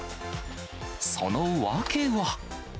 その訳は。